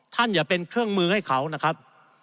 อย่าเป็นเครื่องมือให้เขานะครับ